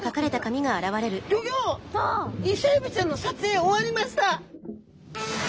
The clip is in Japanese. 「イセエビちゃんの撮影終わりました」。